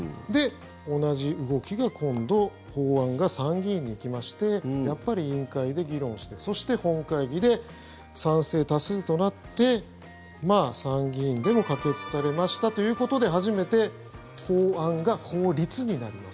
同じ動きが今度法案が参議院に行きましてやっぱり委員会で議論してそして本会議で賛成多数となって参議院でも可決されましたということで初めて法案が法律になります。